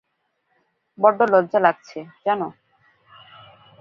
বড্ড লজ্জা লাগছে, জানো?